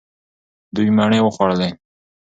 دوی مڼې وخوړلې.